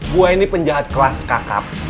gua ini penjahat kelas kakap